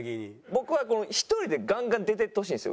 僕は１人でガンガン出ていってほしいんですよ